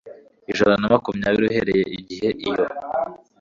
ijana na makumyabiri uhereye igihe iyo